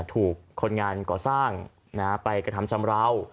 ถูกคนงานก่อสร้างไปกระทำชำราว